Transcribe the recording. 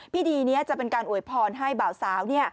พิธีนี้จะเป็นการอวยพรให้บ่าวสาว